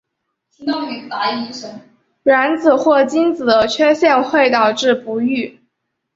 卵子或精子的缺陷会导致不育。